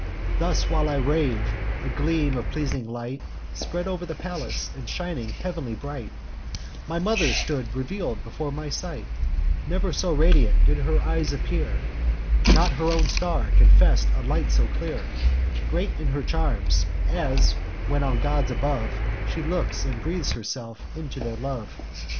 Thus while I rave, a gleam of pleasing light Spread o'er the place; and, shining heav'nly bright, My mother stood reveal'd before my sight Never so radiant did her eyes appear; Not her own star confess'd a light so clear: Great in her charms, as when on gods above She looks, and breathes herself into their love.